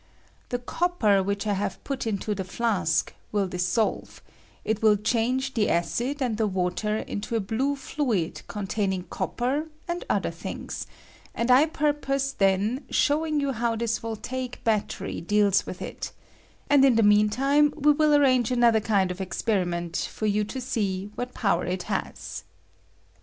The copper which I have put into the flask will dissolve : it will change the acid and the water into a blue fluid containing copper and other thinga, and I purpoae then showing you how this voltaic battery deals with it ; and 96 VOLTAIC DECOMPOSITION OF A SALT. in the mean tinie we will arrange another kind of experiment for you to see what power it has.